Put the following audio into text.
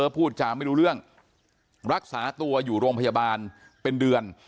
พูดจาไม่รู้เรื่องรักษาตัวอยู่โรงพยาบาลเป็นเดือน